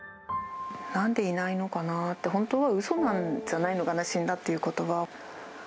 なんでいないのかなって、本当はうそなんじゃないのかな、死んだっていうことが。